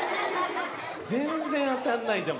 全然当たんないじゃん